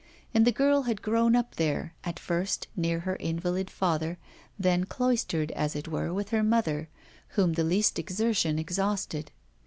And the girl had grown up there, at first near her invalid father, then cloistered, as it were, with her mother, whom the least exertion exhausted.